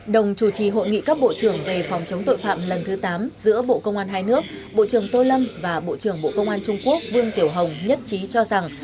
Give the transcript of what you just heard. đồng chủ trì hội nghị các bộ trưởng về phòng chống tội phạm lần thứ tám giữa bộ công an hai nước bộ trưởng tô lâm và bộ trưởng bộ công an trung quốc vương tiểu hồng nhất trí cho rằng